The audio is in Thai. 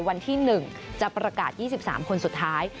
วันที่๑จะประกาศ๒๓คนสุดท้าย